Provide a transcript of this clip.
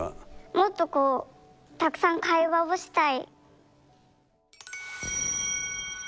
もっとこうたくさん会話をしたい。